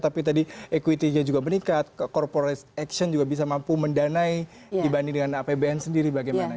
tapi tadi equity nya juga meningkat corporate action juga bisa mampu mendanai dibanding dengan apbn sendiri bagaimana